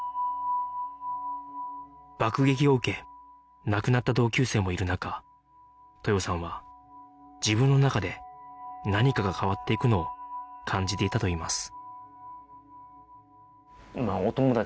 爆撃を受け亡くなった同級生もいる中豊さんは自分の中で何かが変わっていくのを感じていたといいます